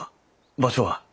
場所は？